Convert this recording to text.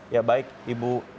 ya baik ibu